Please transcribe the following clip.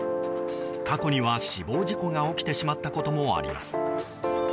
過去には死亡事故が起きてしまったこともあります。